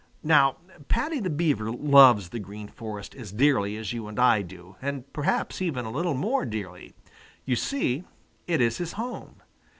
Now Paddy the Beaver loves the Green Forest as dearly as you and I do, and perhaps even a little more dearly. You see, it is his home.